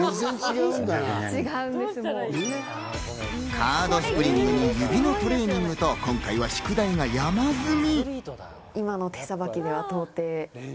カードスプリングに指のトレーニングと今回は宿題が山積み。